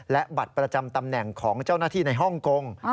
และบัตรประจำตำแหน่งของเจ้าหน้าที่ในฮ่องกง